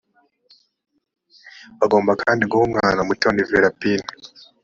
bagomba kandi guha umwana umuti wa nevirapine